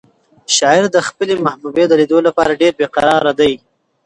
شاعر د خپلې محبوبې د لیدو لپاره ډېر بې قراره دی.